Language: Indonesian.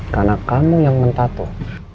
karena kamu yang men tattoo